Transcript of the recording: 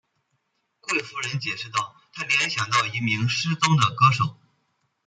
贵夫人解释道她联想到一名失踪的歌手。